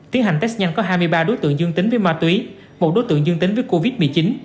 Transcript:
tiến hành test nhanh có hai mươi ba đối tượng dương tính với ma túy một đối tượng dương tính với covid một mươi chín